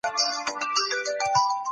عایدات په دوامداره توګه راټیټېدل.